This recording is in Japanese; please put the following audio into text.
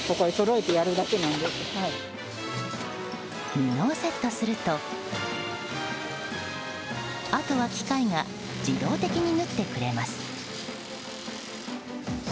布をセットすると、あとは機械が自動的に縫ってくれます。